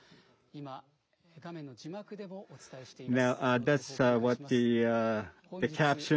今、画面の字幕でもお伝えしています。